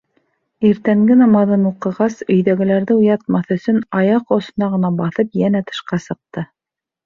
Иртәнге намаҙын уҡығас, өйҙәгеләрҙе уятмаҫ өсөн, аяҡ осона ғына баҫып йәнә тышҡа сыҡты.